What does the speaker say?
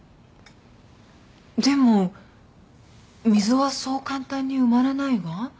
でも溝はそう簡単に埋まらないわ。